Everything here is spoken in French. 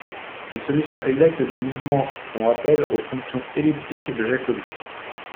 Les solutions exactes du mouvement font appel aux fonctions elliptiques de Jacobi.